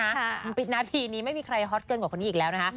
ปิดนาทีนี้ไม่มีใครฮอตเกินกว่าคนนี้อีกแล้วนะคะ